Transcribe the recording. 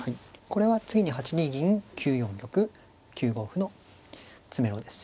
これは次に８二銀９四玉９五歩の詰めろです。